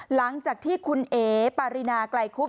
หลังจากที่คุณเอ๋ปารินาไกลคุบ